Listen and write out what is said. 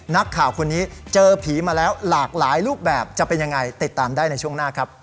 นักข่าวคนนี้เจอผีมาแล้วหลากหลายรูปแบบจะเป็นยังไงติดตามได้ในช่วงหน้าครับ